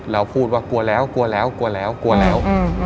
พูดว่ากลัวแล้วกลัวแล้วกลัวแล้วกลัวแล้ว